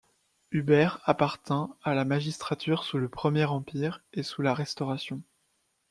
Hubert appartint à la magistrature sous le premier Empire et sous la Restauration.